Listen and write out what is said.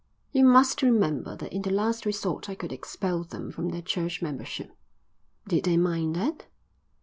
"You must remember that in the last resort I could expel them from their church membership." "Did they mind that?"